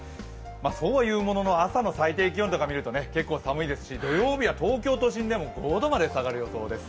そうはいうものの、朝の最低気温とか見ると結構寒いですし土曜日は東京都心でも５度まで下がる予想です。